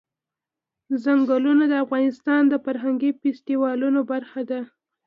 ځنګلونه د افغانستان د فرهنګي فستیوالونو برخه ده.